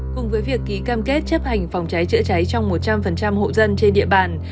cùng với việc ký cam kết chấp hành phòng cháy chữa cháy trong một trăm linh hộ dân trên địa bàn